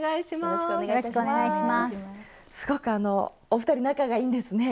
すごくお二人仲がいいんですね。